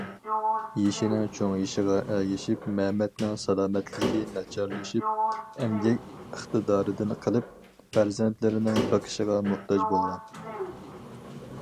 يېشىنىڭ چوڭىيىشىغا ئەگىشىپ مەمەتنىڭ سالامەتلىكى ناچارلىشىپ ئەمگەك ئىقتىدارىدىن قېلىپ، پەرزەنتلىرىنىڭ بېقىشىغا موھتاج بولغان.